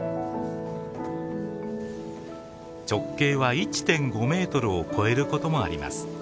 直径は１．５ｍを超えることもあります。